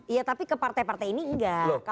iya tapi ke partai partai ini enggak